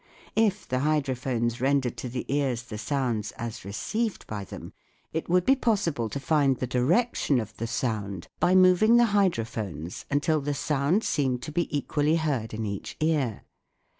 If the hydrophones rendered to the ears the sounds as received by them, it would be pos sible to find the direction of the sound by moving the hydrophones until the sound seemed to be equally 12 THE WORLD OF SOUND heard in each ear.